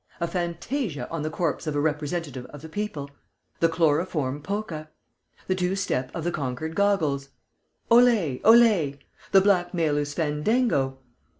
A fantasia on the corpse of a representative of the people!... The chloroform polka!... The two step of the conquered goggles! Ollé! Ollé! The blackmailer's fandango!